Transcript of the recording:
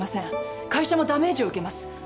会社もダメージを受けます。